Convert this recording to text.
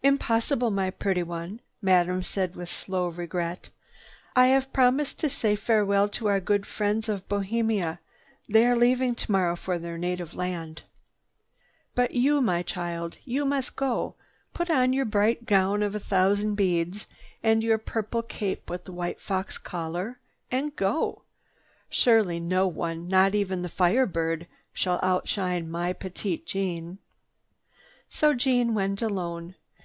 "Impossible, my pretty one," Madame said with slow regret. "I have promised to say farewell to our good friends of Bohemia. They are leaving tomorrow for their native land. "But you, my child, you must go. Put on your bright gown of a thousand beads and your purple cape with the white fox collar, and go. Surely no one, not even the Fire Bird, shall outshine my Petite Jeanne." So Jeanne went alone.